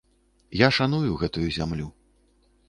Я шаную гэту зямлю.